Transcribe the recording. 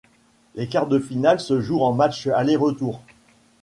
Les quarts de finale se jouent en match aller-retour.